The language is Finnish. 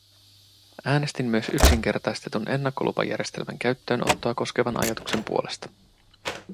Äänestin myös yksinkertaistetun ennakkolupajärjestelmän käyttöönottoa koskevan ajatuksen puolesta.